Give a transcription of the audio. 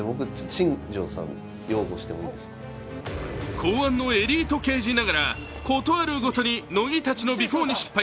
公安のエリート刑事ながらことあるごとに乃木たちの尾行に失敗。